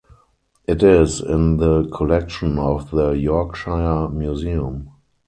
It is in the collection of the Yorkshire Museum.